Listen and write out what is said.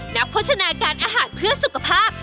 โฆษณาการอาหารเพื่อสุขภาพ